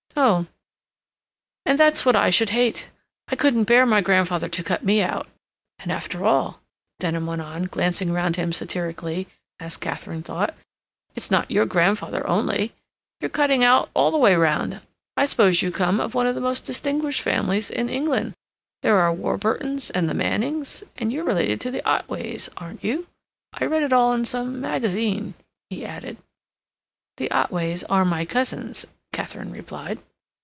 "No. And that's what I should hate. I couldn't bear my grandfather to cut me out. And, after all," Denham went on, glancing round him satirically, as Katharine thought, "it's not your grandfather only. You're cut out all the way round. I suppose you come of one of the most distinguished families in England. There are the Warburtons and the Mannings—and you're related to the Otways, aren't you? I read it all in some magazine," he added. "The Otways are my cousins," Katharine replied.